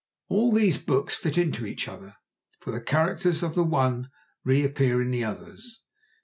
All these books fit into each other, for the characters of the one reappear in the others.